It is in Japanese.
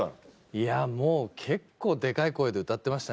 いやもう結構デカい声で歌ってましたね。